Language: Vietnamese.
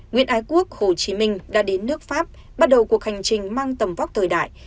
nguyễn ái quốc hồ chí minh đã đến nước pháp bắt đầu cuộc hành trình mang tầm vóc thời đại